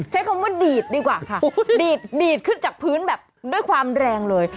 ใช้คำว่าดีดดีกว่าค่ะดีดดีดขึ้นจากพื้นแบบด้วยความแรงเลย